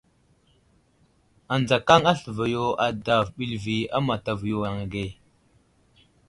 Anzakaŋ asləva yo adzav bəlvi a matavo yaŋ age.